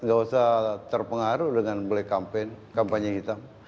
gak usah terpengaruh dengan black campaign kampanye hitam